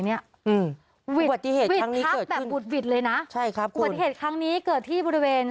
วิทยาวตาแบบอุดหวิตเลยวิทยาวตาครั้งนี้เกิดที่บริเวณ